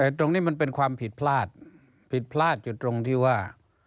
แต่ตรงนี้มันเป็นความผิดพลาดผิดพลาดอยู่ตรงที่ว่า